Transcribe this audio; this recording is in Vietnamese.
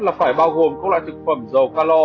là phải bao gồm các loại thực phẩm dầu ca lo